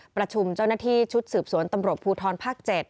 ประชุมเจ้าหน้าที่ชุดสืบสวนตำรวจภูทรภาค๗